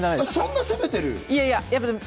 そんなに攻めてる？